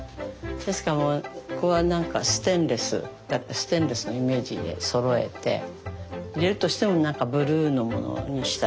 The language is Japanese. ですからここはステンレスだったらステンレスのイメージでそろえて入れるとしてもブルーのものにしたりとか。